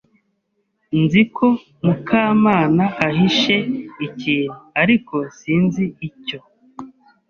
Nzi ko Mukamana ahishe ikintu, ariko sinzi icyo.